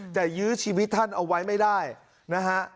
แต่ยื้อชีวิตท่านเอาไว้ไม่ได้นะฮะ